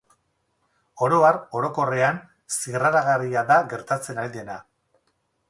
Oro har, orokorrean, zirraragarria da gertatzen ari dena.